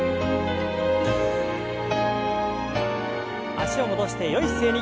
脚を戻してよい姿勢に。